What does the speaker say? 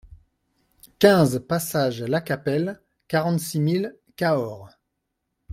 quinze passage Lacapelle, quarante-six mille Cahors